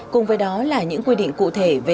cùng với đó là những quy định cụ thể